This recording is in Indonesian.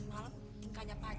pak pak pak